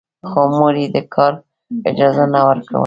خو مور يې د کار اجازه نه ورکوله.